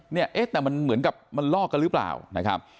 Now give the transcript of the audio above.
เนี่ยเอ๊ะแต่มันเหมือนกับมันลอกกันหรือเปล่านะครับ